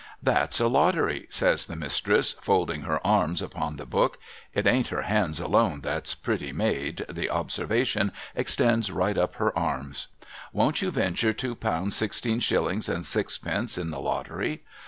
'That's a Lottery,' says the Mistress, folding her arms upon the book, — it ain't her hands alone that's pretty made, the observation extends right up her arms. ' ^Von't you venture two pound sixteen shillings and sixpence in the Lottery